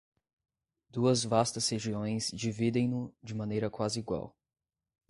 Duas vastas regiões dividem-no de maneira quase igual.